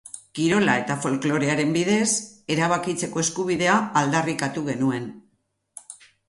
Kirola eta folklorearen bidez erabakitzeko eskubidea aldarrikatu genuen.